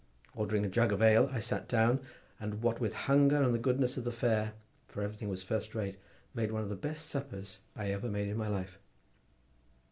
Ordering a jug of ale I sat down, and what with hunger and the goodness of the fare, for everything was first rate, made one of the best suppers I ever made in my life.